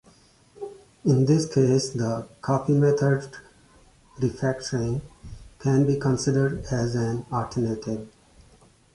In this case the "Copy Method" refactoring" can be considered as an alternative.